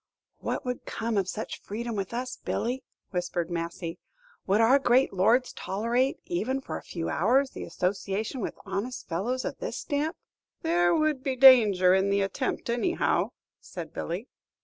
"What would come of such freedoms with us, Billy?" whispered Massy. "Would our great lords tolerate, even for a few hours, the association with honest fellows of this stamp?" "There would be danger in the attempt, anyhow," said Billy.